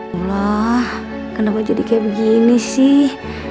ya allah kenapa jadi kayak begini sih